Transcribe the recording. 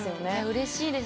うれしいです。